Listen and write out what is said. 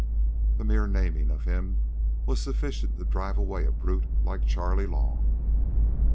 The mere naming of him was sufficient to drive away a brute like Charley Long.